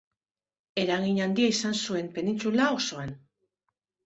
Eragin handia izan zuen Penintsula osoan.